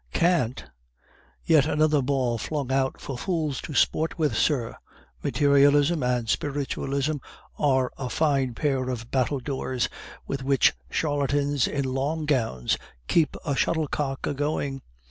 "Kant? Yet another ball flung out for fools to sport with, sir! Materialism and spiritualism are a fine pair of battledores with which charlatans in long gowns keep a shuttlecock a going.